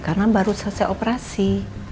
karena baru selesai operasi